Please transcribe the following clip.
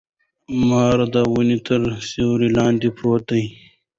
مار د ونې تر سیوري لاندي پروت دی.